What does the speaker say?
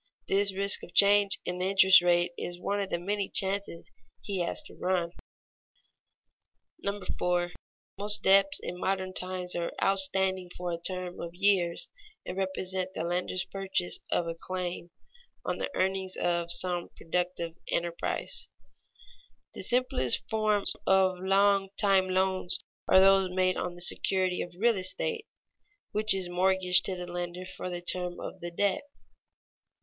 This risk of a change in the interest rate is one of many chances he has to run. [Sidenote: Long time loans by purchase of mortgages, bonds, and stocks] 4. _Most debts in modern times are outstanding for a term of years and represent the lender's purchase of a claim on the earnings of some productive enterprise._ The simplest forms of long time loans are those made on the security of real estate, which is mortgaged to the lender for the term of the debt.